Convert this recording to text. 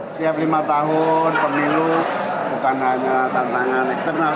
setiap lima tahun pemilu bukan hanya tantangan eksternal